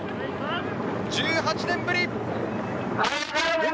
１８年ぶり。